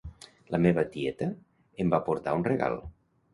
La meva tieta em va portar un regal